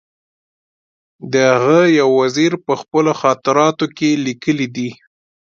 د هغه یو وزیر په خپلو خاطراتو کې لیکلي دي.